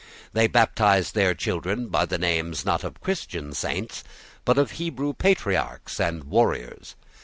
They baptized their children by the names, not of Christian saints, but of Hebrew patriarchs and warriors.